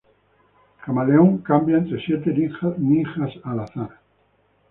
Chameleon cambia entre siete ninjas al azar.